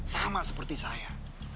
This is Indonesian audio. sama seperti saya